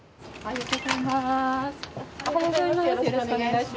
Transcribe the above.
おはようございます。